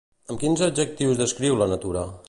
Amb quins adjectius descriu la natura?